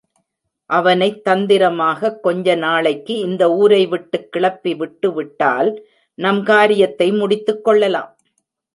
அவனைத் தந்திரமாகக் கொஞ்ச நாளைக்கு இந்த ஊரை விட்டுக் கிளப்பி விட்டுவிட்டால் நம் காரியத்தை முடித்துக்கொள்ளலாம்.